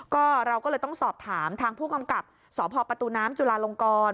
ก็เราก็เลยต้องสอบถามทางผู้กำกับสพประตูน้ำจุลาลงกร